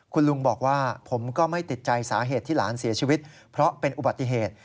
คุณลุงบอกว่าผมก็ไม่ติดใจสาเหตุที่หลานเสียชีวิตเพราะเป็นอุบัติเหตุ